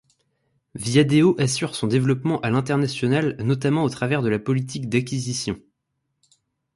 Viadeo assure son développement à l'international notamment au travers d'une politique d'acquisition.